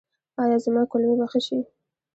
ایا زما کولمې به ښې شي؟